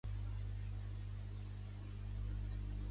Quan ho ha exposat Donald Trump?